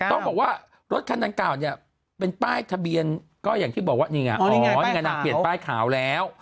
ต้องบอกว่ารถคันดังกล่าวเนี่ยเป็นป้ายทะเบียนก็อย่างที่บอกว่านี่ไงอ๋อนี่ไงนางเปลี่ยนป้ายขาวแล้ว